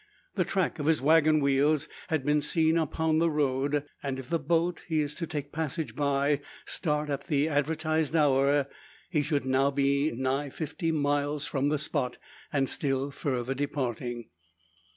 The track of his waggon wheels has been seen upon the road; and, if the boat he is to take passage by, start at the advertised hour, he should now be nigh fifty miles from the spot, and still further departing.